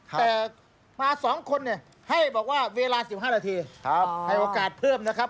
แต่มา๒คนเนี่ยให้บอกว่าเวลา๑๕นาทีให้โอกาสเพิ่มนะครับ